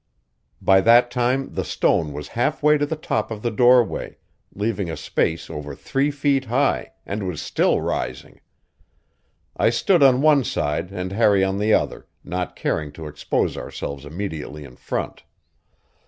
By that time the stone was half way to the top of the doorway, leaving a space over three feet high, and was still rising. I stood on one side and Harry on the other, not caring to expose ourselves immediately in front.